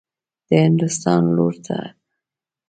د هندوستان لور ته حمه.